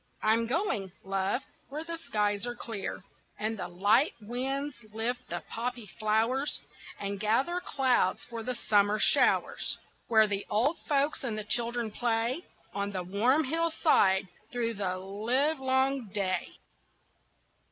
I'm going, love, where the skies are clear, And the light winds lift the poppy flowers And gather clouds for the summer showers, Where the old folks and the children play On the warm hillside through the livelong day.